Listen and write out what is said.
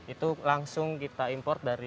itu langsung kita import dari